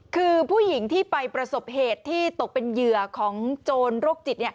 คือผู้หญิงที่ไปประสบเหตุที่ตกเป็นเหยื่อของโจรโรคจิต